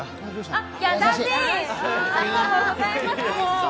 ありがとうございます、もう。